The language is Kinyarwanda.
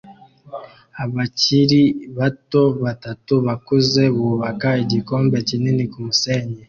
Abakiri bato batatu bakuze bubaka igihome kinini kumusenyi